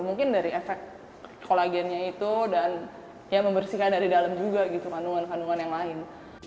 mungkin dari efek kolagennya itu dan ya membersihkan dari dalam juga gitu kandungan kandungan yang lain